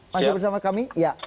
masih bersama kami